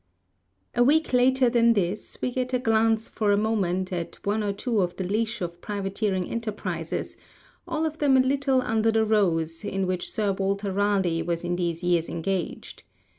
A week later than this we get a glance for a moment at one or two of the leash of privateering enterprises, all of them a little under the rose, in which Sir Walter Raleigh was in these years engaged.